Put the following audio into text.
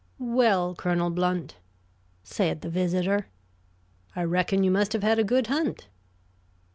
"Well, Colonel Blount," said the visitor, "I reckon you must have had a good hunt."